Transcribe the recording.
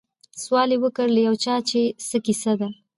سوال یې وکړ له یو چا چي څه کیسه ده